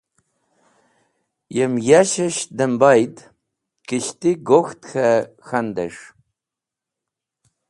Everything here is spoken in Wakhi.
Yem yashes̃h dem bayd kishti gok̃ht k̃he k̃handes̃h: